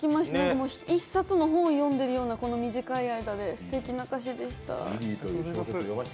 一冊の本を読んでるような、この短い間ですてきな歌詞でした。